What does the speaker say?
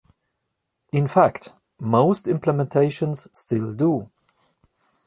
In fact, most implementations still do.